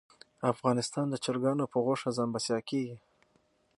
افغانستان د چرګانو په غوښه ځان بسیا کیږي